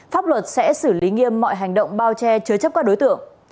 pháp luật sẽ xử lý nghiêm mọi hành động bao che chứa chấp các đối tượng